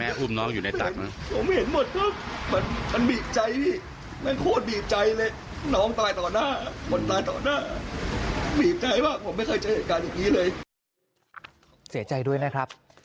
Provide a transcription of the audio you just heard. เศรษฐ์ใจด้วยนะครับ